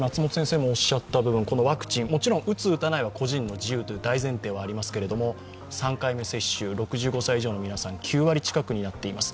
ワクチン、もちろん打つ、打たないというのは個人の自由という大前提はありますが３回目接種６５歳以上の皆さん、９割近くになっています。